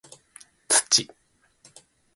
土